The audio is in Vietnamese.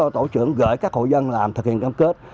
tổ trưởng gửi các hộ dân làm thực hiện cam kết